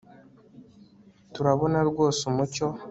turabona rwose umucyo